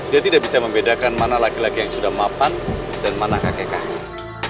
dia tidak bisa membedakan mana laki laki yang sudah mapan dan mana kakek kakek